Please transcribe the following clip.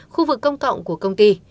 khu vực công cộng của công ty